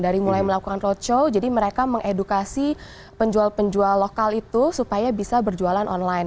dari mulai melakukan roadshow jadi mereka mengedukasi penjual penjual lokal itu supaya bisa berjualan online